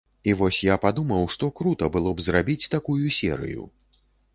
І вось я падумаў, што крута было б зрабіць такую серыю.